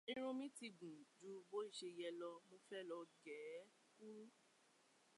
Irun mi ti gùn ju bó ṣe yẹ lọ, mo fẹ́ lọ gée kúrú